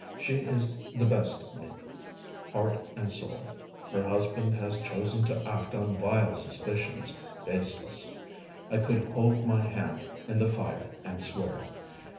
She is the best of me, heart and soul. Her husband has chosen to act on vile suspicions baseless, I could hold my hand in the fire and swear.